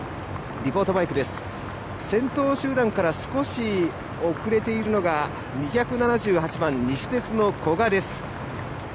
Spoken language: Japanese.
リポートバイクです、先頭集団から少し後れているのが２７８番、西鉄の古賀です。